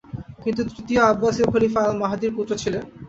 তিনি তৃতীয় আব্বাসীয় খলিফা আল মাহদির পুত্র ছিলেন।